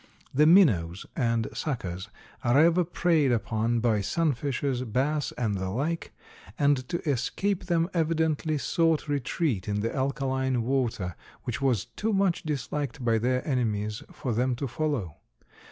The minnows and suckers are ever preyed upon by sunfishes, bass and the like, and to escape them evidently sought retreat in the alkaline water, which was too much disliked by their enemies for them to follow.